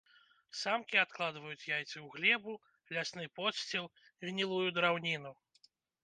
Самкі адкладваюць яйцы ў глебу, лясны подсціл, гнілую драўніну.